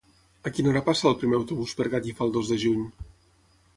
A quina hora passa el primer autobús per Gallifa el dos de juny?